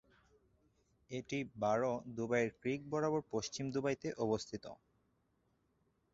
এটি বার দুবাইয়ের ক্রিক বরাবর পশ্চিম দুবাইতে অবস্থিত।